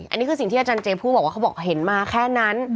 อันนี้คือสิ่งที่อาจารย์เจพูดบอกว่าเขาบอกเห็นมาแค่นั้น